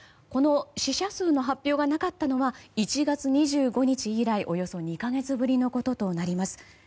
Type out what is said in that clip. この死者数の発表がなかったのは１月２５日以来およそ２か月ぶりのこととなります。